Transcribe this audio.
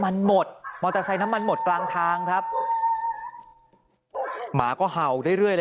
หลังจากพบศพผู้หญิงปริศนาตายตรงนี้ครับ